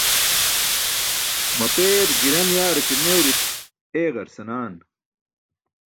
Mapeer giran yaare ke newruṭ eeeġar senaan.